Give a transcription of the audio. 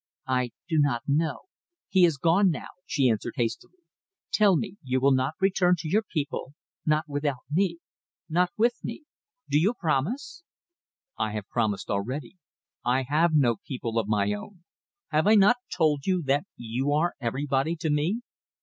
"I do not know. He is gone now," she answered, hastily. "Tell me, you will not return to your people; not without me. Not with me. Do you promise?" "I have promised already. I have no people of my own. Have I not told you, that you are everybody to me?"